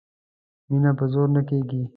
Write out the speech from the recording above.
مینه په زور نه کیږي